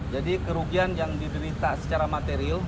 jadi kerugian yang diderita secara material